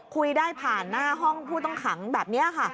คุยได้ผ่านหน้าห้องผู้ต้องขังแบบนี้ค่ะ